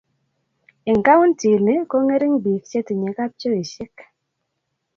Eng kauntii nik ko ng'ering biik che tinye kapchoisye.